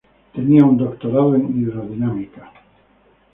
Tenía un doctorado en hidrodinámica.